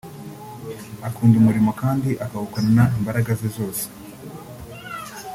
Akunda umurimo kandi akawukorana imbaraga ze zose